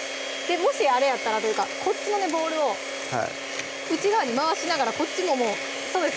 もしあれやったらというかこっちのボウルを内側に回しながらこっちももうそうです